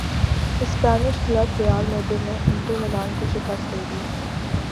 Spanish club Real Madrid نے Inter Milan کو شکست دے دی